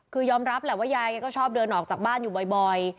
คือยอมรับแหละว่ายายก็ชอบเดินออกจากบ้านอยู่บ่อย